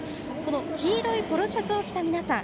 黄色いポロシャツを着た皆さん。